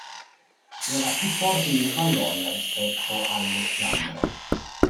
Era più forte in Vallonia rispetto alle Fiandre.